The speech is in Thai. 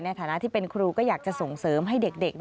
ในฐานะที่เป็นครูก็อยากจะส่งเสริมให้เด็ก